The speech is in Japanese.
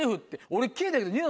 俺聞いたけどニ